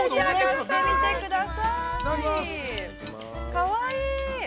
◆かわいい。